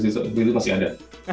betul masih ada resusi masih ada